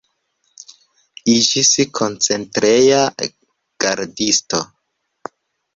Iĝis koncentreja gardisto.